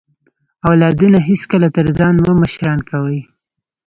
اولادونه هیڅکله تر ځان مه مشران کوئ